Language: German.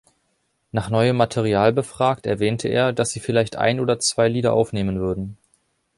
Nach neuem Material befragt, erwähnte er, dass sie vielleicht ein oder zwei Lieder aufnehmen würden.